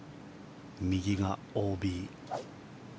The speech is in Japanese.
右がＯＢ。